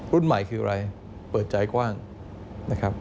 รุ่นใหม่คืออะไรเปิดใจกว้างนะครับ